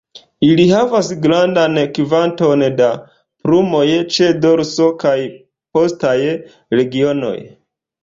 Ili havas grandan kvanton da plumoj ĉe dorso kaj postaj regionoj.